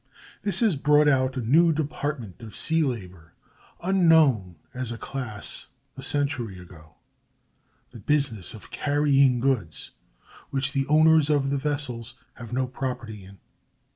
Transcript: This has brought out a new department of sea labor, unknown, as a class, a century ago—the business of carrying goods which the owners of the vessels have no property in.